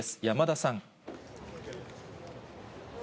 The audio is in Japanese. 山田さん。